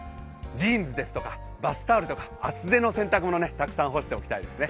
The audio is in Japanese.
ジーンズですとか、バスタオルとか厚手の洗濯物、たくさん干しておきたいですね。